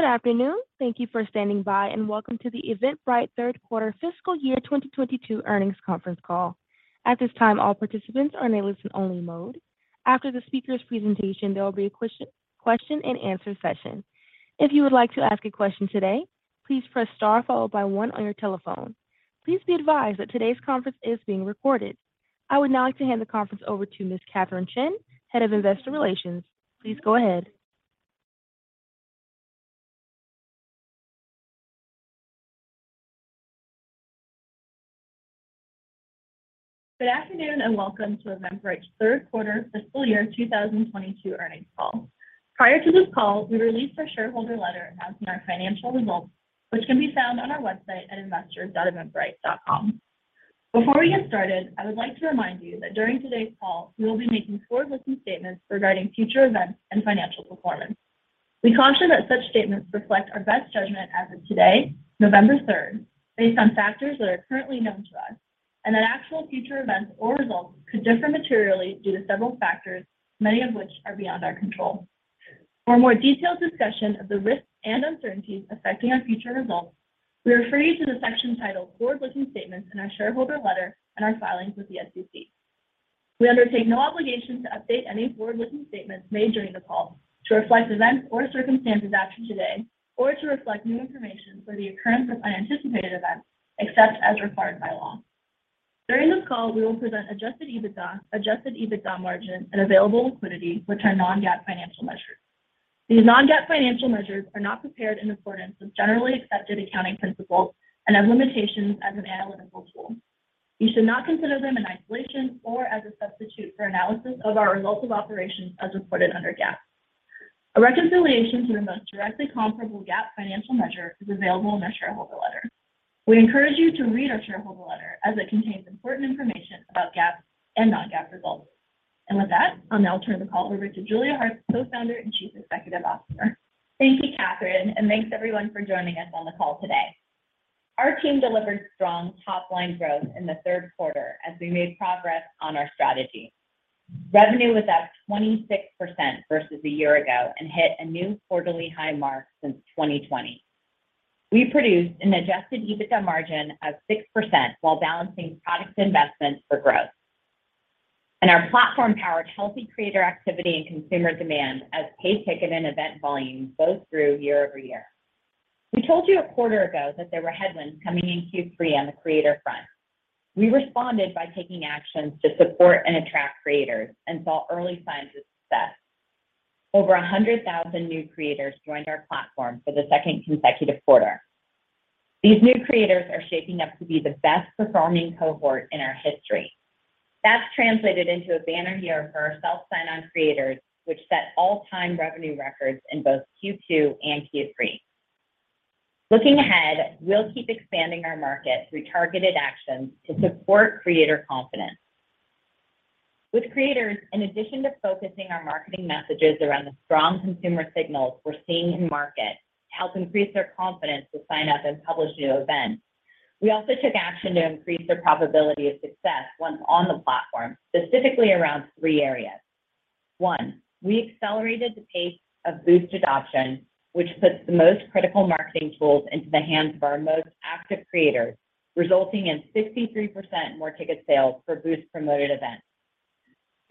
Good afternoon. Thank you for standing by, and welcome to the Eventbrite Third Quarter Fiscal Year 2022 Earnings Conference Call. At this time, all participants are in a listen only mode. After the speaker's presentation, there will be a question-and-answer session. If you would like to ask a question today, please press star followed by one on your telephone. Please be advised that today's conference is being recorded. I would now like to hand the conference over to Ms. Katherine Chen, Head of Investor Relations. Please go ahead. Good afternoon, and welcome to Eventbrite's Third Quarter Fiscal Year 2022 Earnings Call. Prior to this call, we released our shareholder letter announcing our financial results, which can be found on our website at investor.eventbrite.com. Before we get started, I would like to remind you that during today's call, we will be making forward-looking statements regarding future events and financial performance. We caution that such statements reflect our best judgment as of today, November third, based on factors that are currently known to us, and that actual future events or results could differ materially due to several factors, many of which are beyond our control. For a more detailed discussion of the risks and uncertainties affecting our future results, we refer you to the section titled Forward-Looking Statements in our shareholder letter and our filings with the SEC. We undertake no obligation to update any forward-looking statements made during the call to reflect events or circumstances after today, or to reflect new information or the occurrence of unanticipated events, except as required by law. During this call, we will present Adjusted EBITDA, Adjusted EBITDA margin, and available liquidity, which are non-GAAP financial measures. These non-GAAP financial measures are not prepared in accordance with generally accepted accounting principles and have limitations as an analytical tool. You should not consider them in isolation or as a substitute for analysis of our results of operations as reported under GAAP. A reconciliation to the most directly comparable GAAP financial measure is available in our shareholder letter. We encourage you to read our shareholder letter as it contains important information about GAAP and non-GAAP results. With that, I'll now turn the call over to Julia Hartz, Co-founder and Chief Executive Officer. Thank you, Katherine, and thanks everyone for joining us on the call today. Our team delivered strong top-line growth in the third quarter as we made progress on our strategy. Revenue was up 26% versus a year ago and hit a new quarterly high mark since 2020. We produced an Adjusted EBITDA margin of 6% while balancing product investment for growth. Our platform powered healthy creator activity and consumer demand as paid ticket and event volumes both grew year-over-year. We told you a quarter ago that there were headwinds coming in Q3 on the creator front. We responded by taking actions to support and attract creators and saw early signs of success. Over 100,000 new creators joined our platform for the second consecutive quarter. These new creators are shaping up to be the best performing cohort in our history. That's translated into a banner year for our self-sign-on creators, which set all-time revenue records in both Q2 and Q3. Looking ahead, we'll keep expanding our market through targeted actions to support Creator Confidence. With creators, in addition to focusing our marketing messages around the strong consumer signals we're seeing in market to help increase their confidence to sign up and publish new events. We also took action to increase their probability of success once on the platform, specifically around three areas. One, we accelerated the pace of Boost adoption, which puts the most critical marketing tools into the hands of our most active creators, resulting in 63% more ticket sales for Boost promoted events.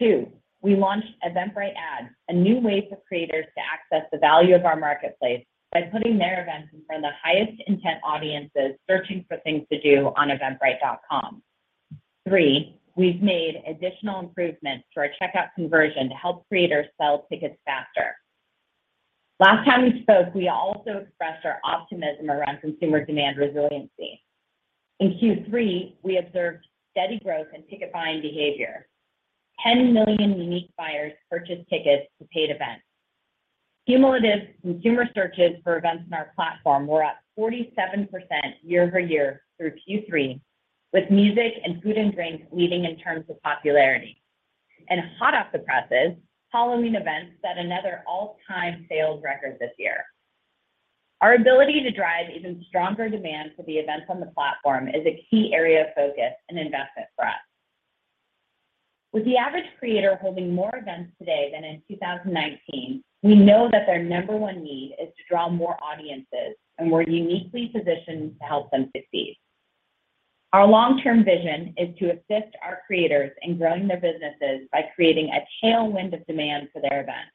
Two, we launched Eventbrite Ads, a new way for creators to access the value of our marketplace by putting their events in front of the highest intent audiences searching for things to do on eventbrite.com. Three, we've made additional improvements to our checkout conversion to help creators sell tickets faster. Last time we spoke, we also expressed our optimism around consumer demand resiliency. In Q3, we observed steady growth in ticket buying behavior. 10 million unique buyers purchased tickets to paid events. Cumulative consumer searches for events on our platform were up 47% year-over-year through Q3, with music and food and drink leading in terms of popularity. Hot off the presses, Halloween events set another all-time sales record this year. Our ability to drive even stronger demand for the events on the platform is a key area of focus and investment for us. With the average creator holding more events today than in 2019, we know that their number one need is to draw more audiences, and we're uniquely positioned to help them succeed. Our long-term vision is to assist our creators in growing their businesses by creating a tailwind of demand for their events.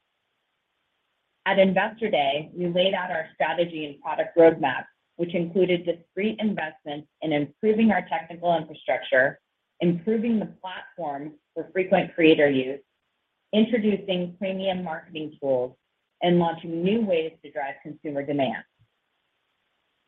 At Investor Day, we laid out our strategy and product roadmap, which included discrete investments in improving our technical infrastructure, improving the platform for frequent creator use, introducing premium marketing tools, and launching new ways to drive consumer demand.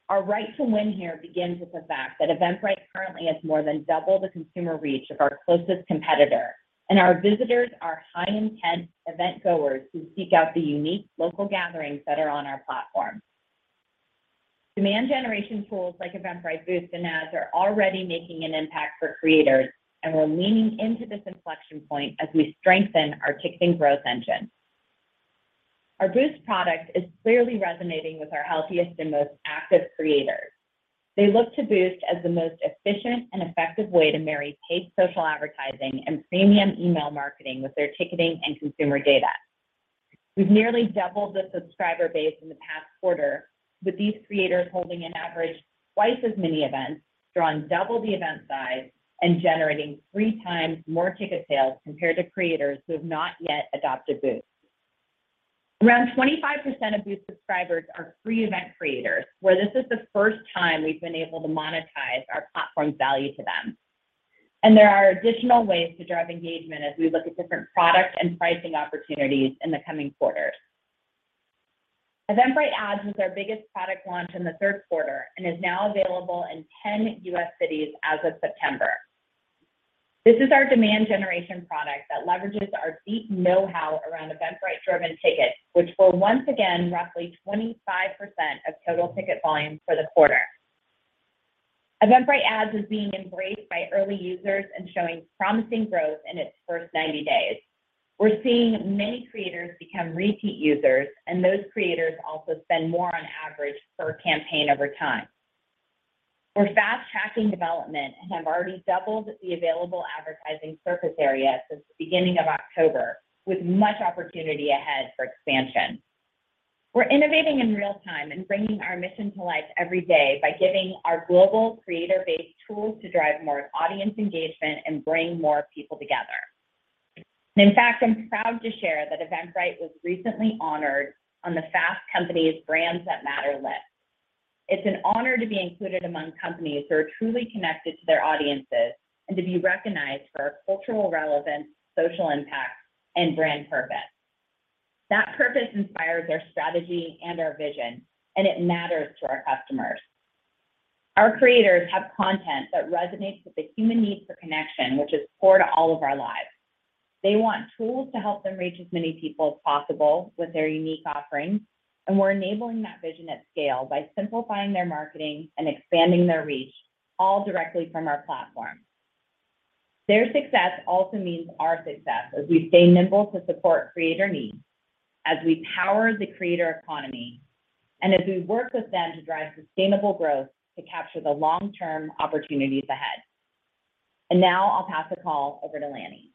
Our right to win here begins with the fact that Eventbrite currently has more than double the consumer reach of our closest competitor, and our visitors are high-intent event goers who seek out the unique local gatherings that are on our platform. Demand generation tools like Eventbrite Boost and Ads are already making an impact for creators, and we're leaning into this inflection point as we strengthen our ticketing growth engine. Our Boost product is clearly resonating with our healthiest and most active creators. They look to Boost as the most efficient and effective way to marry paid social advertising and premium email marketing with their ticketing and consumer data. We've nearly doubled the subscriber base in the past quarter, with these creators holding an average twice as many events, drawing double the event size, and generating 3x more ticket sales compared to creators who have not yet adopted Boost. Around 25% of Boost subscribers are free event creators, where this is the first time we've been able to monetize our platform's value to them. There are additional ways to drive engagement as we look at different product and pricing opportunities in the coming quarters. Eventbrite Ads was our biggest product launch in the third quarter and is now available in 10 U.S. cities as of September. This is our demand generation product that leverages our deep know-how around Eventbrite-driven tickets, which were once again roughly 25% of total ticket volume for the quarter. Eventbrite Ads is being embraced by early users and showing promising growth in its first 90 days. We're seeing many creators become repeat users, and those creators also spend more on average per campaign over time. We're fast-tracking development and have already doubled the available advertising surface area since the beginning of October, with much opportunity ahead for expansion. We're innovating in real time and bringing our mission to life every day by giving our global creator base tools to drive more audience engagement and bring more people together. In fact, I'm proud to share that Eventbrite was recently honored on the Fast Company's Brands That Matter List. It's an honor to be included among companies who are truly connected to their audiences and to be recognized for our cultural relevance, social impact, and brand purpose. That purpose inspires our strategy and our vision, and it matters to our customers. Our creators have content that resonates with the human need for connection, which is core to all of our lives. They want tools to help them reach as many people as possible with their unique offerings, and we're enabling that vision at scale by simplifying their marketing and expanding their reach all directly from our platform. Their success also means our success as we stay nimble to support creator needs, as we power the creator economy, and as we work with them to drive sustainable growth to capture the long-term opportunities ahead. Now I'll pass the call over to Lanny.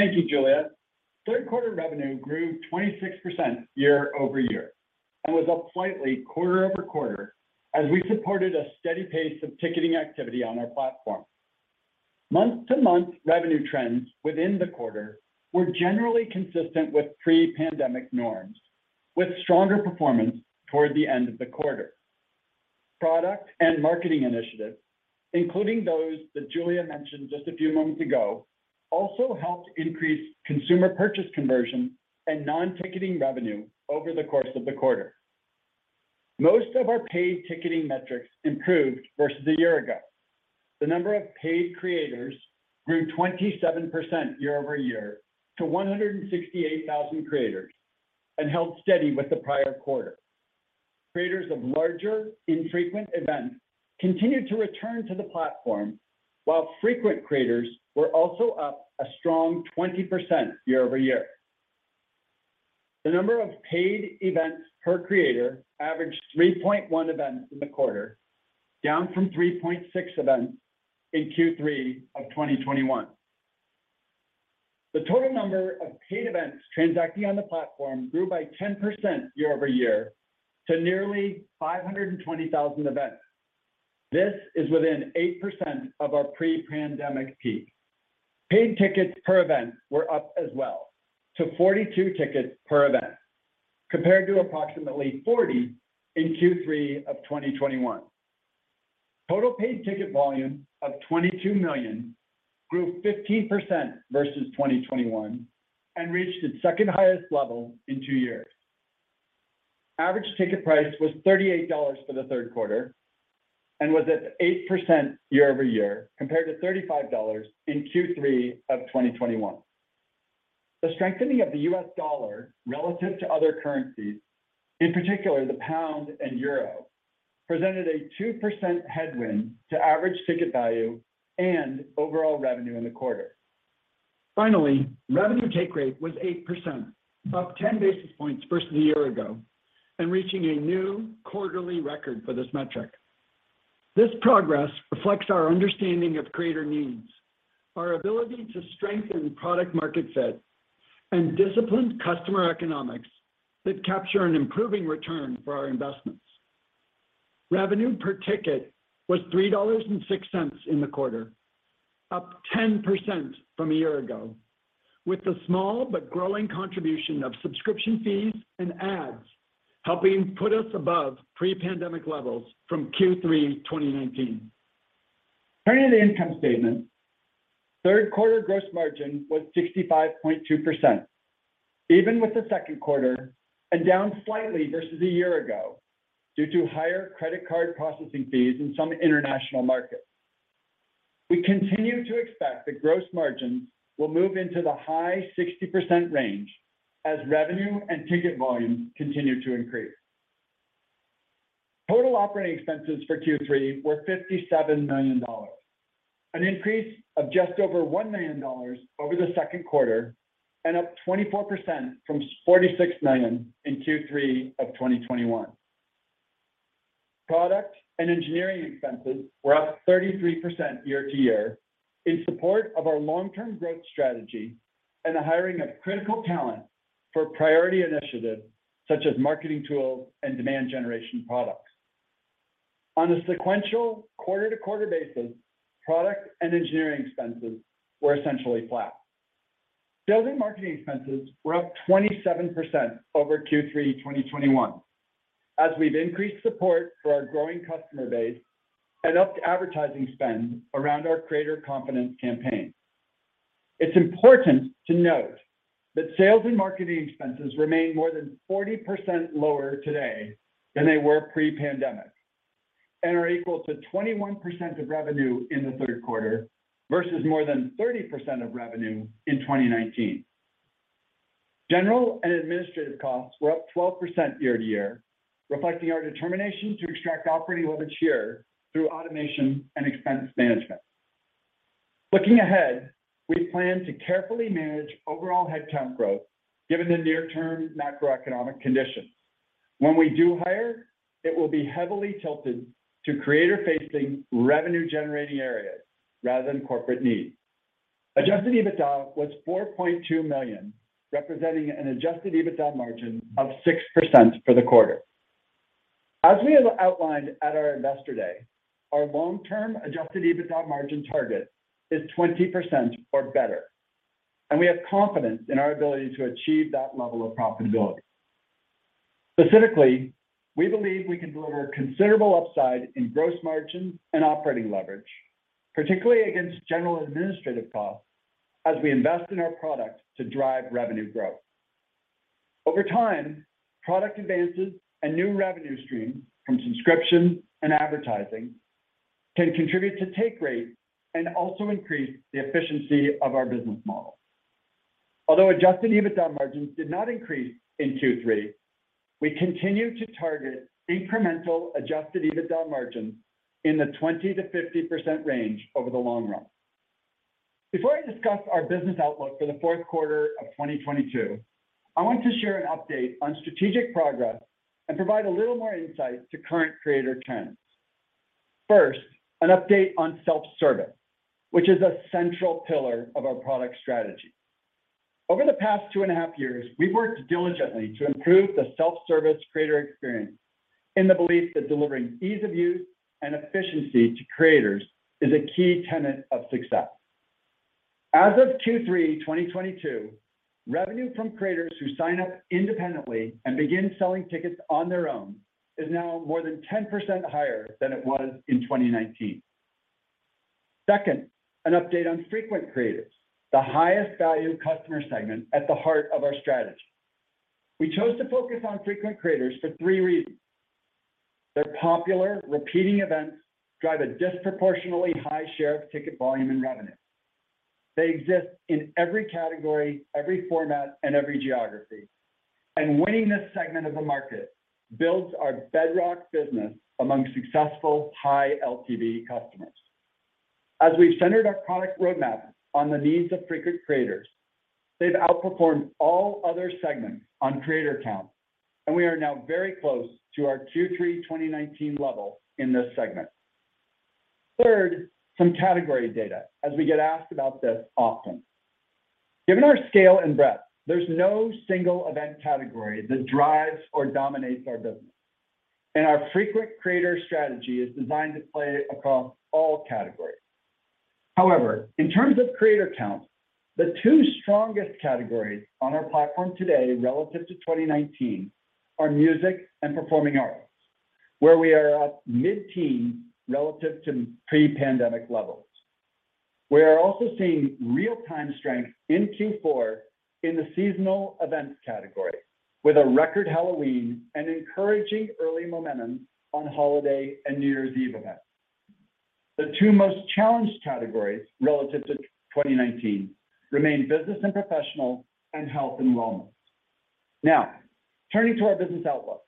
Thank you, Julia. Third quarter revenue grew 26% year-over-year and was up slightly quarter-over-quarter as we supported a steady pace of ticketing activity on our platform. Month-to-month revenue trends within the quarter were generally consistent with pre-pandemic norms, with stronger performance toward the end of the quarter. Product and marketing initiatives, including those that Julia mentioned just a few moments ago, also helped increase consumer purchase conversion and non-ticketing revenue over the course of the quarter. Most of our paid ticketing metrics improved versus a year ago. The number of paid creators grew 27% year-over-year to 168,000 creators and held steady with the prior quarter. Creators of larger infrequent events continued to return to the platform while frequent creators were also up a strong 20% year-over-year. The number of paid events per creator averaged 3.1 events in the quarter, down from 3.6 events in Q3 of 2021. The total number of paid events transacting on the platform grew by 10% year-over-year to nearly 520,000 events. This is within 8% of our pre-pandemic peak. Paid tickets per event were up as well to 42 tickets per event, compared to approximately 40 in Q3 of 2021. Total paid ticket volume of 22 million grew 15% versus 2021 and reached its second highest level in two years. Average ticket price was $38 for the third quarter and was at 8% year-over-year compared to $35 in Q3 of 2021. The strengthening of the U.S. dollar relative to other currencies, in particular the pound and euro, presented a 2% headwind to average ticket value and overall revenue in the quarter. Finally, revenue take rate was 8%, up ten basis points versus a year ago and reaching a new quarterly record for this metric. This progress reflects our understanding of creator needs, our ability to strengthen product market fit, and disciplined customer economics that capture an improving return for our investments. Revenue per ticket was $3.06 in the quarter, up 10% from a year ago, with the small but growing contribution of subscription fees and ads helping put us above pre-pandemic levels from Q3 2019. Turning to the income statement, third quarter gross margin was 65.2%, even with the second quarter and down slightly versus a year ago due to higher credit card processing fees in some international markets. We continue to expect that gross margin will move into the high 60% range as revenue and ticket volume continue to increase. Total operating expenses for Q3 were $57 million. An increase of just over $1 million over the second quarter and up 24% from $46 million in Q3 of 2021. Product and engineering expenses were up 33% year-over-year in support of our long-term growth strategy and the hiring of critical talent for priority initiatives such as marketing tools and demand generation products. On a sequential quarter-to-quarter basis, product and engineering expenses were essentially flat. Sales and marketing expenses were up 27% over Q3 2021 as we've increased support for our growing customer base and upped advertising spend around our Creator Confidence campaign. It's important to note that sales and marketing expenses remain more than 40% lower today than they were pre-pandemic, and are equal to 21% of revenue in the third quarter, versus more than 30% of revenue in 2019. General and administrative costs were up 12% year-to-year, reflecting our determination to extract operating leverage here through automation and expense management. Looking ahead, we plan to carefully manage overall headcount growth given the near-term macroeconomic conditions. When we do hire, it will be heavily tilted to creator-facing revenue generating areas rather than corporate needs. Adjusted EBITDA was $4.2 million, representing an Adjusted EBITDA margin of 6% for the quarter. As we have outlined at our Investor Day, our long-term Adjusted EBITDA margin target is 20% or better, and we have confidence in our ability to achieve that level of profitability. Specifically, we believe we can deliver considerable upside in gross margins and operating leverage, particularly against general administrative costs, as we invest in our products to drive revenue growth. Over time, product advances and new revenue streams from subscription and advertising can contribute to take rate and also increase the efficiency of our business model. Although Adjusted EBITDA margins did not increase in Q3, we continue to target incremental Adjusted EBITDA margins in the 20%-50% range over the long run. Before I discuss our business outlook for the fourth quarter of 2022, I want to share an update on strategic progress and provide a little more insight to current creator trends. First, an update on self-service, which is a central pillar of our product strategy. Over the past two and a half years, we've worked diligently to improve the self-service creator experience in the belief that delivering ease of use and efficiency to creators is a key tenet of success. As of Q3 2022, revenue from creators who sign up independently and begin selling tickets on their own is now more than 10% higher than it was in 2019. Second, an update on frequent creators, the highest value customer segment at the heart of our strategy. We chose to focus on frequent creators for three reasons. Their popular repeating events drive a disproportionately high share of ticket volume and revenue. They exist in every category, every format, and every geography. Winning this segment of the market builds our bedrock business among successful high LTV customers. As we've centered our product roadmap on the needs of frequent creators, they've outperformed all other segments on creator count, and we are now very close to our Q3 2019 level in this segment. Third, some category data, as we get asked about this often. Given our scale and breadth, there's no single event category that drives or dominates our business, and our frequent creator strategy is designed to play across all categories. However, in terms of creator count, the two strongest categories on our platform today relative to 2019 are music and performing arts, where we are up mid-teens relative to pre-pandemic levels. We are also seeing real-time strength in Q4 in the seasonal events category with a record Halloween and encouraging early momentum on holiday and New Year's Eve events. The two most challenged categories relative to 2019 remain business and professional, and health and wellness. Now, turning to our business outlook.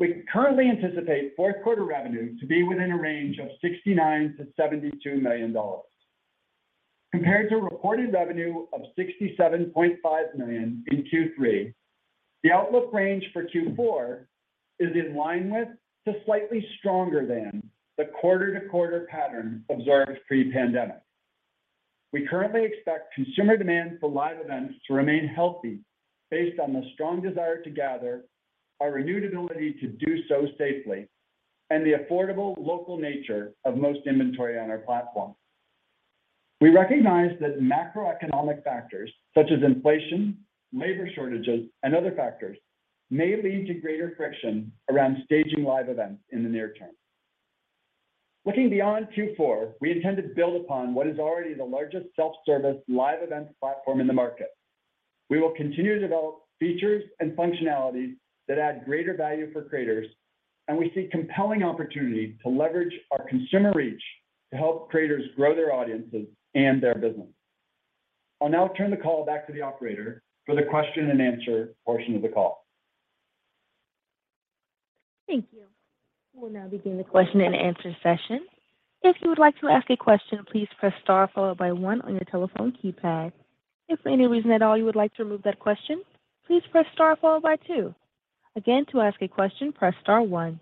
We currently anticipate fourth quarter revenue to be within a range of $69 million-$72 million. Compared to reported revenue of $67.5 million in Q3, the outlook range for Q4 is in line with, to slightly stronger than the quarter-to-quarter pattern observed pre-pandemic. We currently expect consumer demand for live events to remain healthy based on the strong desire to gather, our renewed ability to do so safely, and the affordable local nature of most inventory on our platform. We recognize that macroeconomic factors such as inflation, labor shortages, and other factors may lead to greater friction around staging live events in the near term. Looking beyond Q4, we intend to build upon what is already the largest self-service live event platform in the market. We will continue to develop features and functionalities that add greater value for creators, and we see compelling opportunity to leverage our consumer reach to help creators grow their audiences and their business. I'll now turn the call back to the operator for the question-and-answer portion of the call. Thank you. We'll now begin the question-and-answer session. If you would like to ask a question, please press star followed by one on your telephone keypad. If for any reason at all you would like to remove that question, please press star followed by two. Again, to ask a question, press star one.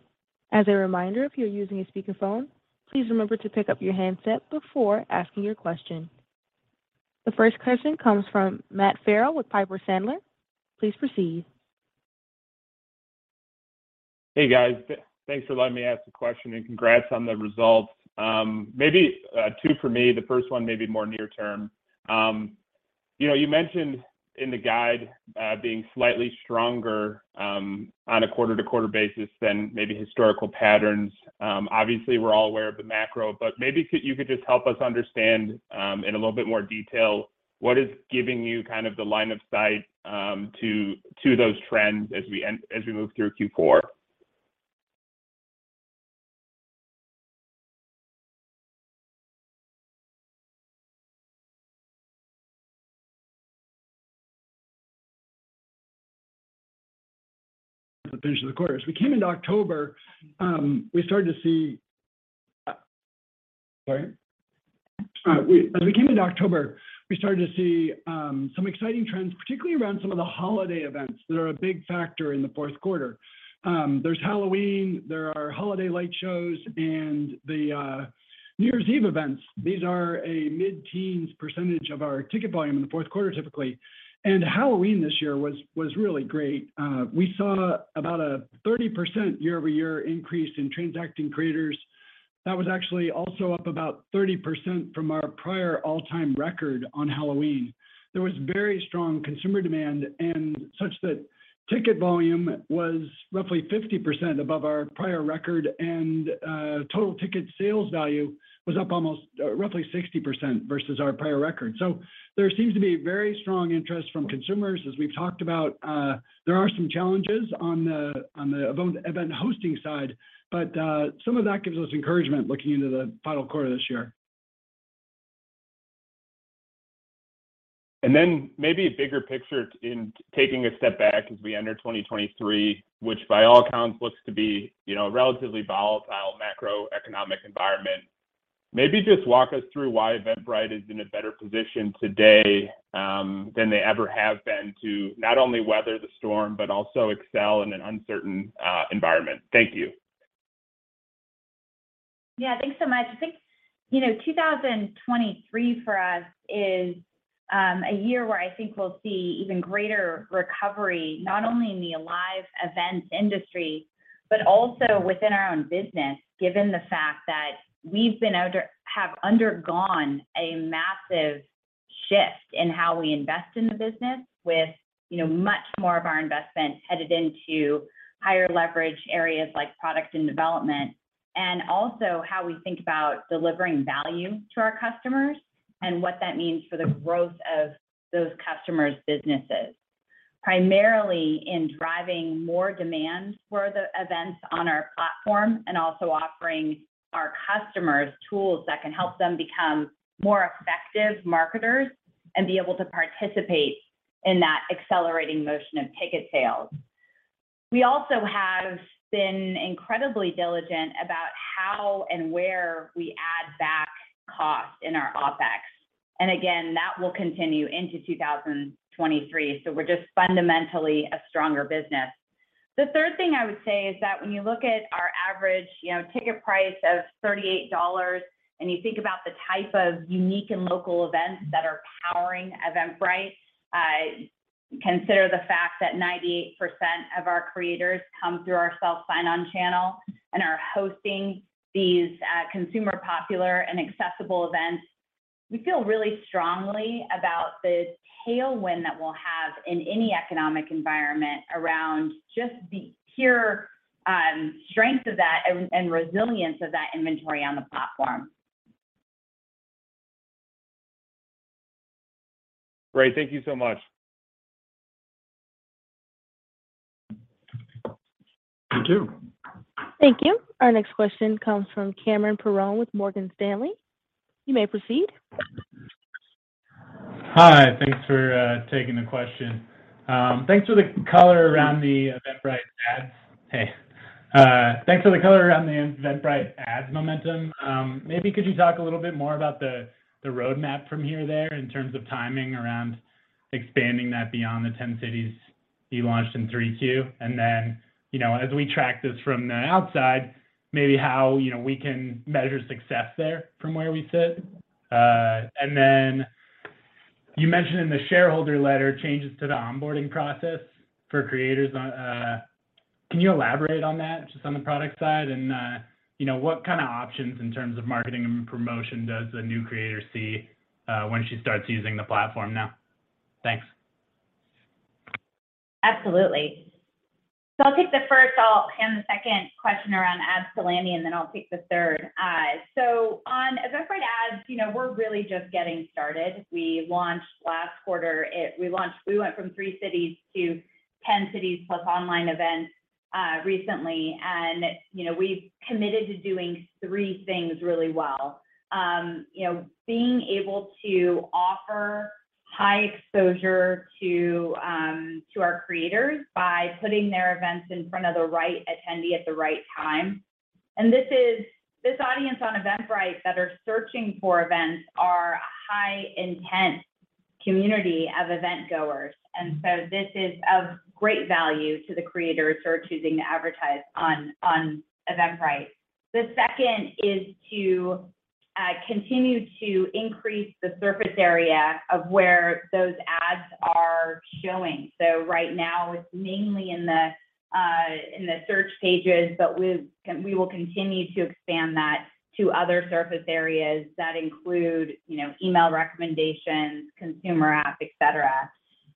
As a reminder, if you're using a speakerphone, please remember to pick up your handset before asking your question. The first question comes from Matt Farrell with Piper Sandler. Please proceed. Hey, guys. Thanks for letting me ask a question, and congrats on the results. Maybe two for me, the first one maybe more near term, you know, you mentioned in the guide being slightly stronger on a quarter-to-quarter basis than maybe historical patterns. Obviously, we're all aware of the macro, but maybe you could just help us understand in a little bit more detail what is giving you kind of the line of sight to those trends as we move through Q4. The finish of the quarter. As we came into October, we started to see some exciting trends, particularly around some of the holiday events that are a big factor in the fourth quarter. There's Halloween, there are holiday light shows, and the New Year's Eve events. These are a mid-teens % of our ticket volume in the fourth quarter typically. Halloween this year was really great. We saw about a 30% year-over-year increase in transacting creators. That was actually also up about 30% from our prior all-time record on Halloween. There was very strong consumer demand and such that ticket volume was roughly 50% above our prior record, and total ticket sales value was up roughly 60% versus our prior record. There seems to be very strong interest from consumers. As we've talked about, there are some challenges on the event hosting side, but some of that gives us encouragement looking into the final quarter of this year. Then maybe a bigger picture in taking a step back as we enter 2023, which by all accounts looks to be, you know, a relatively volatile macroeconomic environment. Maybe just walk us through why Eventbrite is in a better position today than they ever have been to not only weather the storm, but also excel in an uncertain environment. Thank you. Yeah. Thanks so much. I think, you know, 2023 for us is a year where I think we'll see even greater recovery, not only in the live event industry, but also within our own business, given the fact that we have undergone a massive shift in how we invest in the business with, you know, much more of our investment headed into higher leverage areas like product and development, and also how we think about delivering value to our customers and what that means for the growth of those customers' businesses. Primarily in driving more demand for the events on our platform and also offering our customers tools that can help them become more effective marketers and be able to participate in that accelerating motion of ticket sales. We also have been incredibly diligent about how and where we add back cost in our OpEx. Again, that will continue into 2023, so we're just fundamentally a stronger business. The third thing I would say is that when you look at our average, you know, ticket price of $38 and you think about the type of unique and local events that are powering Eventbrite, consider the fact that 98% of our creators come through our self-sign-on channel and are hosting these consumer popular and accessible events. We feel really strongly about the tailwind that we'll have in any economic environment around just the pure strength of that and resilience of that inventory on the platform. Great. Thank you so much. You too. Thank you. Our next question comes from Cameron Perrone with Morgan Stanley. You may proceed. Hi. Thanks for taking the question. Thanks for the color around the Eventbrite Ads momentum. Maybe you could talk a little bit more about the roadmap from here there in terms of timing around expanding that beyond the 10 cities you launched in Q3 2022? And then, you know, as we track this from the outside, maybe how, you know, we can measure success there from where we sit. You mentioned in the shareholder letter changes to the onboarding process for creators. Can you elaborate on that just on the product side? You know, what kind of options in terms of marketing and promotion does a new creator see when she starts using the platform now? Thanks. Absolutely. I'll take the first, I'll hand the second question around ads to Lanny, and then I'll take the third. On Eventbrite Ads, you know, we're really just getting started. We launched last quarter. We went from three cities to 10 cities, plus online events, recently. And, you know, we've committed to doing three things really well, you know, being able to offer high exposure to our creators by putting their events in front of the right attendee at the right time. This audience on Eventbrite that are searching for events are a high intent community of event goers. This is of great value to the creators who are choosing to advertise on Eventbrite. The second is to continue to increase the surface area of where those ads are showing. Right now, it's mainly in the search pages, but we will continue to expand that to other surface areas that include, you know, email recommendations, consumer app, et cetera.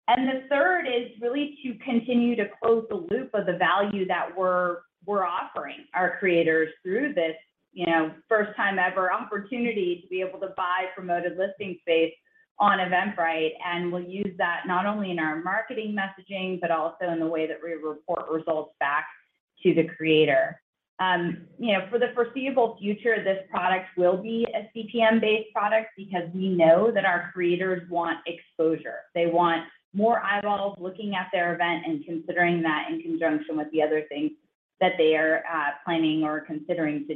The third is really to continue to close the loop of the value that we're offering our creators through this, you know, first time ever opportunity to be able to buy promoted listing space on Eventbrite. We'll use that not only in our marketing messaging, but also in the way that we report results back to the creator. And, you know, for the foreseeable future, this product will be a CPM-based product because we know that our creators want exposure. They want more eyeballs looking at their event and considering that in conjunction with the other things that they are planning or considering to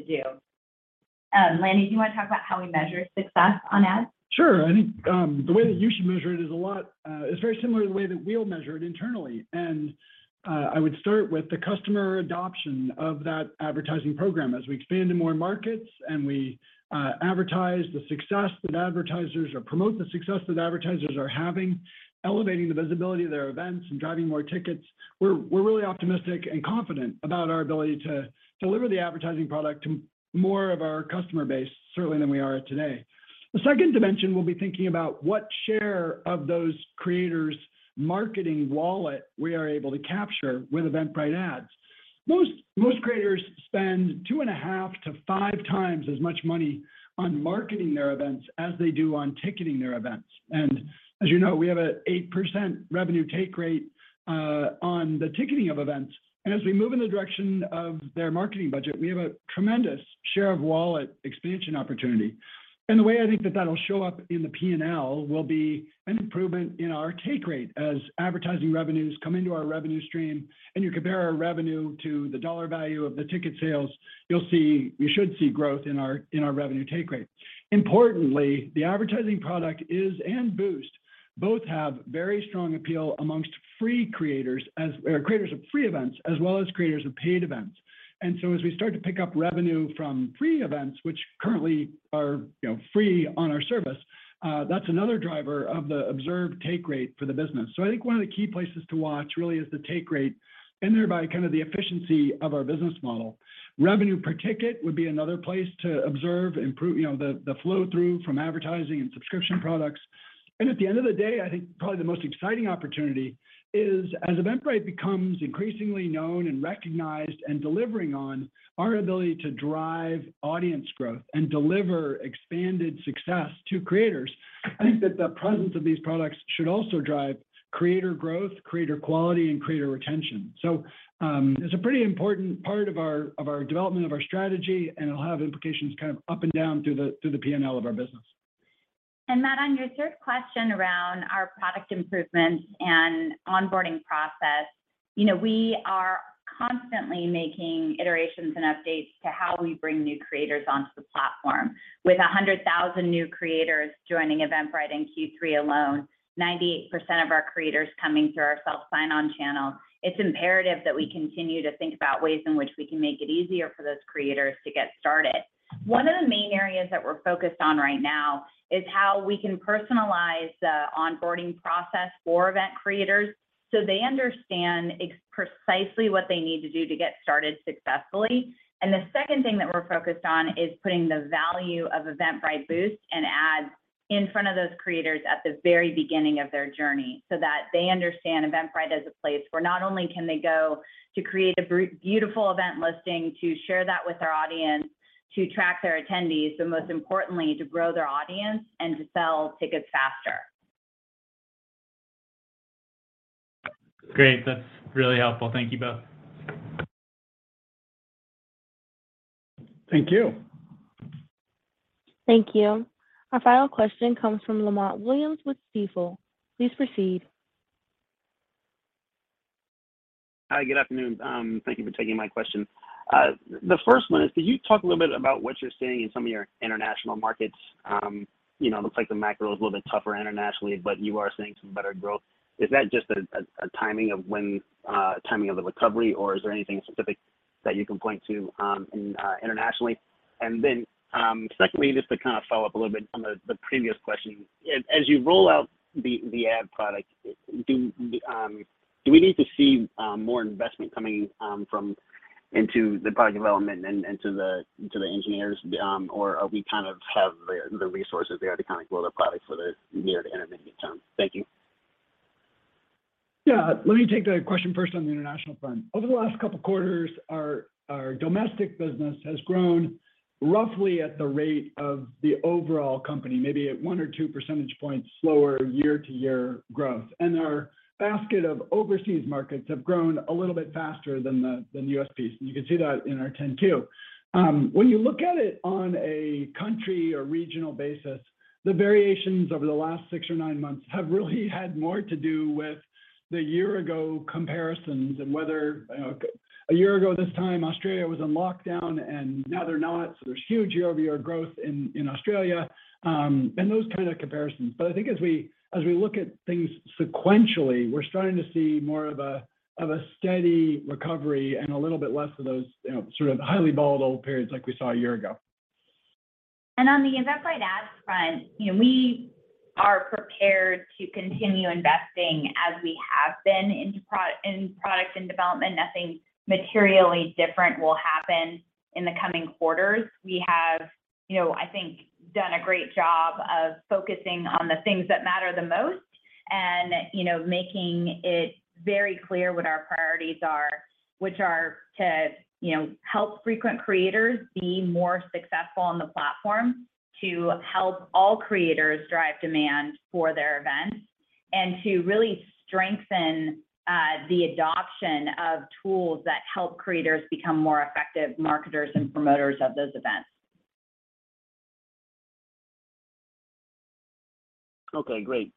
do. Lanny, do you wanna talk about how we measure success on ads? Sure. I think the way that you should measure it is very similar to the way that we'll measure it internally. I would start with the customer adoption of that advertising program. As we expand to more markets and we promote the success that advertisers are having, elevating the visibility of their events and driving more tickets, we're really optimistic and confident about our ability to deliver the advertising product to more of our customer base, certainly than we are today. The second dimension will be thinking about what share of those creators' marketing wallet we are able to capture with Eventbrite Ads. Most creators spend 2.5x-5x as much money on marketing their events as they do on ticketing their events. As you know, we have an 8% revenue take rate on the ticketing of events. As we move in the direction of their marketing budget, we have a tremendous share of wallet expansion opportunity. The way I think that that'll show up in the P&L will be an improvement in our take rate as advertising revenues come into our revenue stream, and you compare our revenue to the dollar value of the ticket sales, you should see growth in our revenue take rate. Importantly, Eventbrite Ads and Boost both have very strong appeal among free creators or creators of free events, as well as creators of paid events. As we start to pick up revenue from free events, which currently are, you know, free on our service, that's another driver of the observed take rate for the business. I think one of the key places to watch really is the take rate, and thereby kind of the efficiency of our business model. Revenue per ticket would be another place to observe, improve, you know, the flow through from advertising and subscription products. At the end of the day, I think probably the most exciting opportunity is as Eventbrite becomes increasingly known and recognized and delivering on our ability to drive audience growth and deliver expanded success to creators, I think that the presence of these products should also drive creator growth, creator quality, and creator retention. It's a pretty important part of our development and strategy, and it'll have implications kind of up and down through the P&L of our business. And then, on your third question around our product improvements and onboarding process, you know, we are constantly making iterations and updates to how we bring new creators onto the platform. With 100,000 new creators joining Eventbrite in Q3 alone, 98% of our creators coming through our self-sign-on channel, it's imperative that we continue to think about ways in which we can make it easier for those creators to get started. One of the main areas that we're focused on right now is how we can personalize the onboarding process for event creators, so they understand precisely what they need to do to get started successfully. The second thing that we're focused on is putting the value of Eventbrite Boost and ads in front of those creators at the very beginning of their journey, so that they understand Eventbrite as a place where not only can they go to create a beautiful event listing, to share that with their audience, to track their attendees, but most importantly, to grow their audience and to sell tickets faster. Great. That's really helpful. Thank you both. Thank you. Thank you. Our final question comes from Lamont Williams with Stifel. Please proceed. Hi, good afternoon. Thank you for taking my question. The first one is, can you talk a little bit about what you're seeing in some of your international markets? You know, looks like the macro is a little bit tougher internationally, but you are seeing some better growth. Is that just a timing of the recovery, or is there anything specific that you can point to in internationally? Secondly, just to kind of follow up a little bit on the previous question. As you roll out the ad product, do we need to see more investment coming into the product development and to the engineers, or are we kind of have the resources there to kind of grow the product for the near to intermediate term? Thank you. Yeah. Let me take the question first on the international front. Over the last couple quarters, our domestic business has grown roughly at the rate of the overall company, maybe at one or two percentage points slower year-to-year growth. Our basket of overseas markets have grown a little bit faster than the U.S. piece, and you can see that in our 10-Q. When you look at it on a country or regional basis, the variations over the last six or nine months have really had more to do with the year ago comparisons and whether, you know, a year ago this time Australia was on lockdown and now they're not. There's huge year-over-year growth in Australia, and those kind of comparisons. I think as we look at things sequentially, we're starting to see more of a steady recovery and a little bit less of those, you know, sort of highly volatile periods like we saw a year ago. On the Eventbrite Ads front, you know, we are prepared to continue investing as we have been into product and development. Nothing materially different will happen in the coming quarters. We have, you know, I think, done a great job of focusing on the things that matter the most and, you know, making it very clear what our priorities are, which are to, you know, help frequent creators be more successful on the platform, to help all creators drive demand for their events, and to really strengthen the adoption of tools that help creators become more effective marketers and promoters of those events. Okay, great.